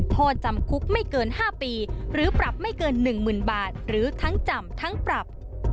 โทษจำคุกไม่เกิน๕ปีหรือปรับไม่เกิน๑๐๐๐บาทหรือทั้งจำทั้งปรับ